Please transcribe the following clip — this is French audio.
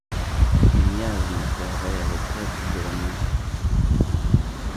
Les miasmes pervers et traîtres de la nuit ;